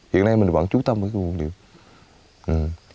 hiện nay mình vẫn trú tâm vào vùng rừng